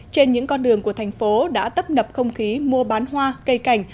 trên những con đường của thành phố đã tấp nập không khí mua bán hoa cây cảnh